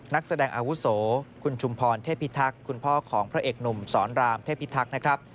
นักแสดงอาวุโสคุณชุมพรเทพิทักษ์คุณพ่อของพระเอกหนุ่มสอนรามเทพิทักษ์นะครับ